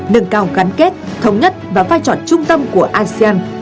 nâng cao gắn kết thống nhất và vai trò trung tâm của asean